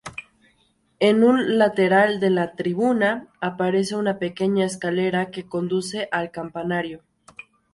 En un lateral de la tribuna aparece una pequeña escalera que conduce al campanario.